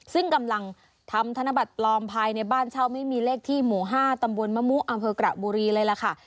ซึ่งกำลังทำธนบัตรปลอมภายในบ้านเช่าไม่มีเลขที่หมู่๕ตำบลมะมุอำเภอกระบุรีเลยล่ะค่ะ